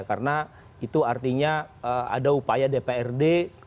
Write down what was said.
karena itu artinya ada upaya dprd